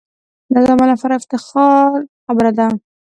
دا زما لپاره دافتخار خبره ده.